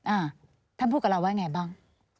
อ้าท่านพูดกับเราว่าอย่างไรบ้าง